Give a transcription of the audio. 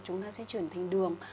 chúng ta sẽ chuyển thành đường